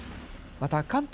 また関東